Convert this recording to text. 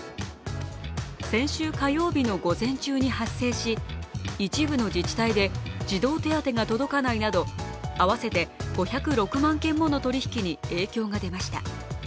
先週火曜日の午前中に発生し、一部の自治体で児童手当が届かないなど、合わせて５０６万件もの取り引きに影響が出ました。